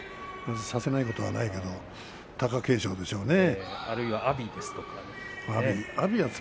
差せないことはないと思うけど貴景勝でしょうね。